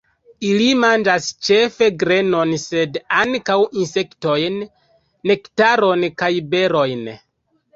Ili manĝas ĉefe grenon sed ankaŭ insektojn, nektaron kaj berojn.